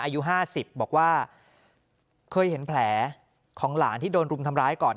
อายุ๕๐บอกว่าเคยเห็นแผลของหลานที่โดนรุมทำร้ายก่อน